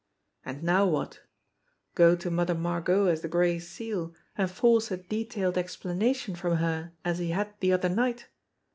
And now what ? Go to Mother Margot as the Gray Seal and force a detailed ex BEGGAR PETE 113 planation from her as he had the other night